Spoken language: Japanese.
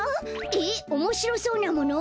えっおもしろそうなもの？